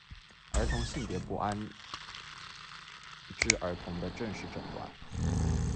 儿童性别不安之儿童的正式诊断。